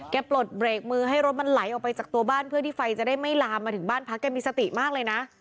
ปลดเบรกมือให้รถมันไหลออกไปจากตัวบ้านเพื่อที่ไฟจะได้ไม่ลามมาถึงบ้านพักแกมีสติมากเลยนะ